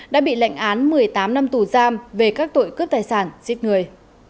đã bị lệnh án một mươi tám năm tù giam về các tội cướp tài sản giết người